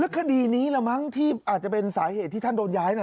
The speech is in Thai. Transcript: คดีนี้ละมั้งที่อาจจะเป็นสาเหตุที่ท่านโดนย้ายนะ